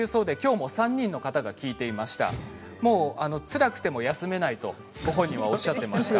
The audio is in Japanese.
もうつらくても休めないとご本人はおっしゃっていました。